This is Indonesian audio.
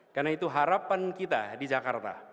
karena itu harapan kita di jakarta